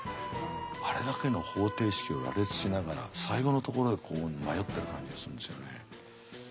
あれだけの方程式を羅列しながら最後のところでこう迷ってる感じがするんですよね。